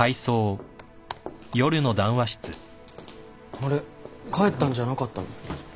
・あれ帰ったんじゃなかったの？